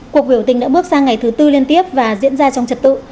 cuộc biểu tình đã bước sang ngày thứ tư liên tiếp và diễn ra trong trật tự